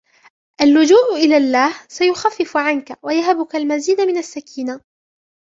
اللجوء إلى الله سيخفف عنك ويهبك المزيد من السكينة